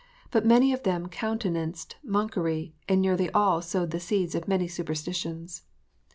But many of them countenanced monkery, and nearly all sowed the seeds of many superstitions.